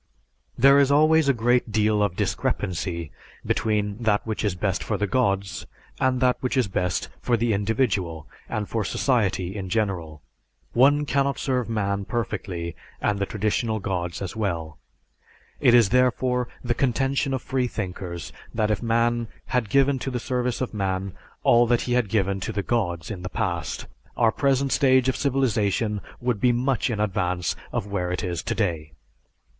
'" There is always a great deal of discrepancy between that which is best for the gods and that which is best for the individual and for society in general. One cannot serve man perfectly and the traditional gods as well. It is, therefore, the contention of freethinkers that if man had given to the service of man all that he had given to the gods in the past, our present stage of civilization would be much in advance of where it is today.